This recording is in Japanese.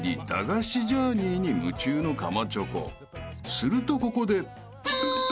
［するとここで］